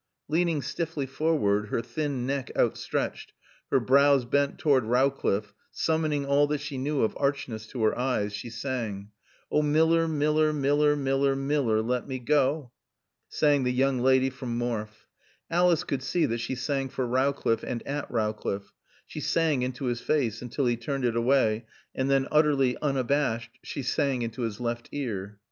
Leaning stiffly forward, her thin neck outstretched, her brows bent toward Rowcliffe, summoning all that she knew of archness to her eyes, she sang. "Oh miller, miller, miller, miller, miller, let me go!" sang the young lady from Morfe. Alice could see that she sang for Rowcliffe and at Rowcliffe; she sang into his face until he turned it away, and then, utterly unabashed, she sang into his left ear.